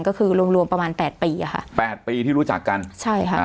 ก็คือรวมรวมประมาณแปดปีอ่ะค่ะแปดปีที่รู้จักกันใช่ค่ะ